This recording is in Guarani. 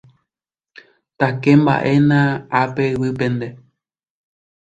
Takemba'éna ápe, yvýpente.